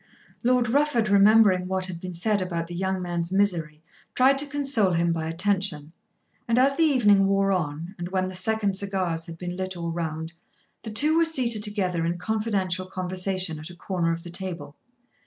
Lord Rufford remembering what had been said about the young man's misery tried to console him by attention; and as the evening wore on, and when the second cigars had been lit all round, the two were seated together in confidential conversation at a corner of the table.